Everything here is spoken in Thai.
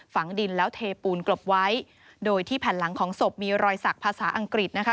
ฝังดินแล้วเทปูนกลบไว้โดยที่แผ่นหลังของศพมีรอยสักภาษาอังกฤษนะคะ